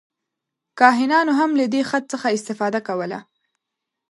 کاهنانو هم له دې خط څخه استفاده کوله.